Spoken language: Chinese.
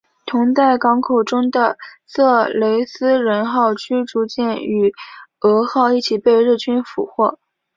同在港口中的色雷斯人号驱逐舰与蛾号一起被日军俘获。